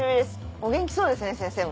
お元気そうですね先生も。